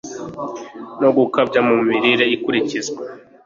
no gukabya mu mirire ikurikizwa